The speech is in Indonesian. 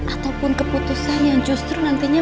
ataupun keputusan yang justru nantinya